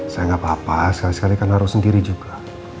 saya nggak apa apa sekali sekali kan harus sendiri juga